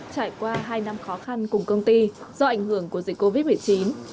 trải qua hai năm khó khăn cùng công ty do ảnh hưởng của dịch covid một mươi chín